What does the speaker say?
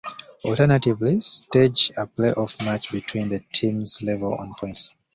Alternatively, stage a play-off match between the teams level on points.